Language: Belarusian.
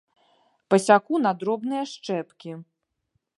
Пасяку на дробныя шчэпкі!